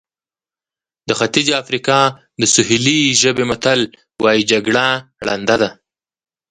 د ختیځې افریقا د سوهیلي ژبې متل وایي جګړه ړنده ده.